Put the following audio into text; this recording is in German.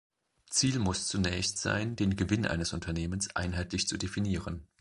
Ziel muss zunächst sein, den Gewinn eines Unternehmens einheitlich zu definieren.